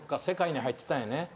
世界に入ってたんやね。